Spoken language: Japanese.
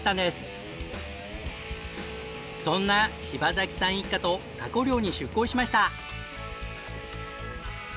そんな柴崎さん一家とタコ漁に出港しました。